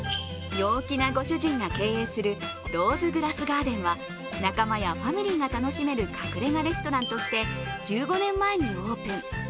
陽気なご主人が経営するローズグラスガーデンは仲間やファミリーが楽しめる隠れ家レストランとして１５年前にオープン。